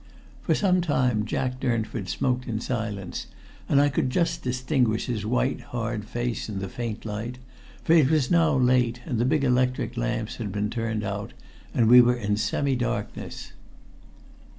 For some time Jack Durnford smoked in silence, and I could just distinguish his white, hard face in the faint light, for it was now late, and the big electric lamps had been turned out and we were in semi darkness.